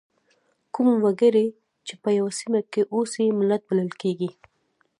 کوم وګړي چې په یوه سیمه کې اوسي ملت بلل کیږي.